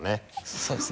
そうですね。